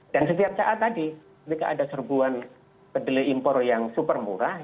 dan setiap saat tadi mereka ada serbuan kedelai impor yang super murah